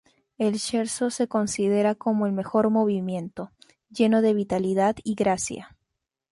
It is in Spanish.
El Scherzo se considera como el mejor movimiento, lleno de vitalidad y gracia.